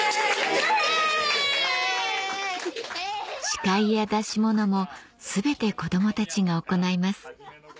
司会や出し物も全て子どもたちが行います